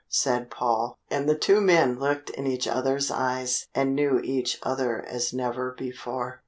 said Paul. And the two men looked in each other's eyes, and knew each other as never before.